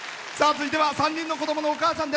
続いては３人の子どものお母さん。